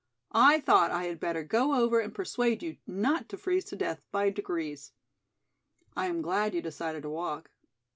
I thought I had better go over and persuade you not to freeze to death by degrees. I am glad you decided to walk.